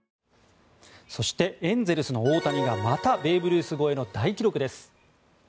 そしてエンゼルスの大谷がまたベーブ・ルース超えの大記録です。